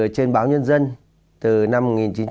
trên báo nhân dân từ năm một nghìn chín trăm tám mươi ba